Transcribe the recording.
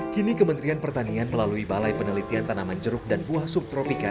kini kementerian pertanian melalui balai penelitian tanaman jeruk dan buah subtropika